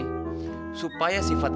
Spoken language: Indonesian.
supaya sifat kamu gak kemana mana